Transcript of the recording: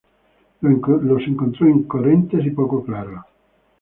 Los encontró incoherentes y poco claros.